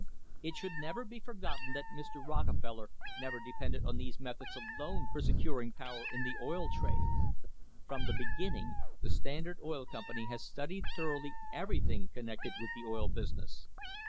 It should never be forgotten that Mr. Rockefeller never depended on these methods alone for securing power in the oil trade. From the beginning the Standard Oil Company has studied thoroughly everything connected with the oil business.